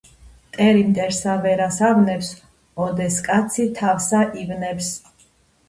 მტერი მტერსა ვერას ავნებს, ოდეს კაცი თავსა ივნებს